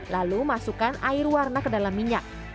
lalu masukkan air warna ke dalam minyak